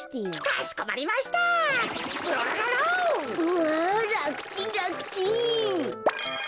わあらくちんらくちん。